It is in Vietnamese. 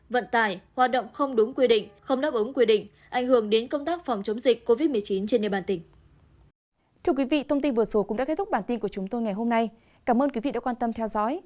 vận tải hoạt động không đúng quy định không đáp ứng quy định ảnh hưởng đến công tác phòng chống dịch covid một mươi chín trên địa bàn tỉnh